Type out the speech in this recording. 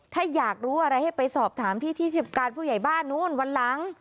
ถ้าอยากรู้อะไรให้ไปสอบถามที่ที่การผู้ใหญ่บ้านนู้นวันหลัง